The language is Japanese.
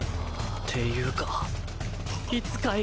っていうか